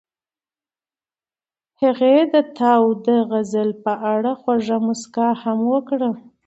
هغې د تاوده غزل په اړه خوږه موسکا هم وکړه.